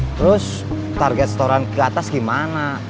terus target setoran keatas gimana